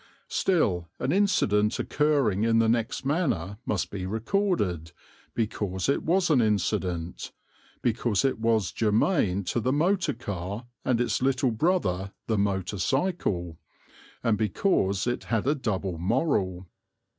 Still, an incident occurring in the next manor must be recorded, because it was an incident, because it was germane to the motor car and its little brother the motor cycle, and because it had a double moral.